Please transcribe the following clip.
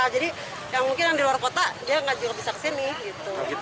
jadi yang mungkin yang di luar kota dia nggak juga bisa kesini gitu